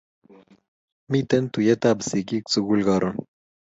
Miten tuyet ab sikik sukul karun